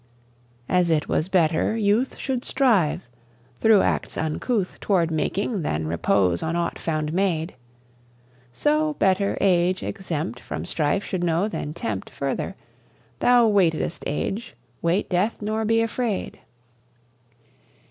As it was better, youth Should strive, through acts uncouth, Toward making, than repose on aught found made: So, better, age, exempt From strife, should know, than tempt Further. Thou waitedest age: wait death nor be afraid!